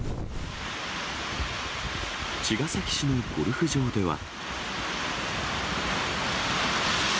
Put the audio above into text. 茅ヶ崎市のゴルフ場では。